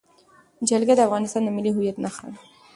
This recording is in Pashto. جلګه د افغانستان د ملي هویت نښه ده.